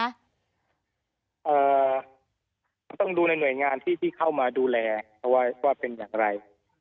ก็ต้องดูในหน่วยงานที่เข้ามาดูแลเขาว่าเป็นอย่างไร